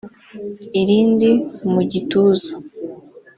irindi mu gituza